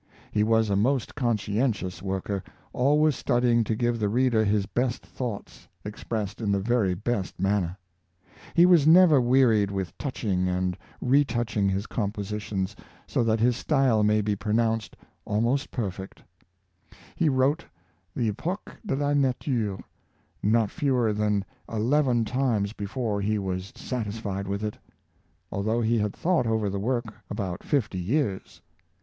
He was a most conscientious worker, always studying to give the reader his best thoughts, expressed in the very best manner. He was never wearied with touching and retouching his compositions, so that his style may be pronounced almost perfect. He wrote the " Epoques de la Nature " not fewer than eleven times before he was satisfied with it; although he had thought over the work about fifty years.